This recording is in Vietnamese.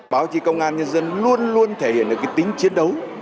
báo chí công an nhân dân luôn luôn thể hiện được tính chiến